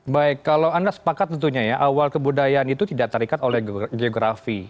baik kalau anda sepakat tentunya ya awal kebudayaan itu tidak terikat oleh geografi